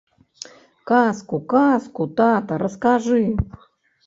Казку, казку, тата, раскажы!